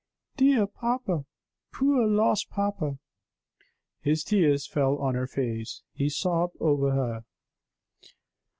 "Dear papa! Poor lost papa!" His tears fell on her face; he sobbed over her.